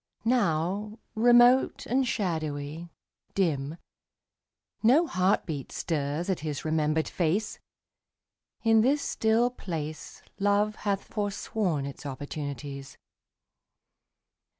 Now, remote and shadowy, dim, No heartbeat stirs at his remembered face. In this still place Love hath forsworn its opportunities.